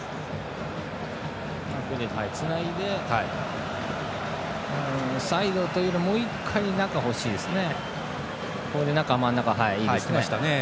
つないでサイドというよりもう１回中に欲しいですね。